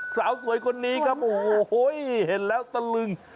สาวสวยคนนี้ครับโอ้โหเห็นแล้วตะลึง